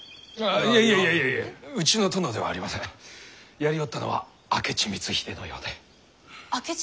やりおったのは明智光秀のようで。